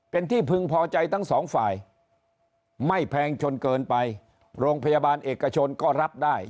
เป็นที่พึงพอใจทั้งสองฝ่ายไม่แพงจนเกินไปโรงพยาบาลเอกชนก็รับได้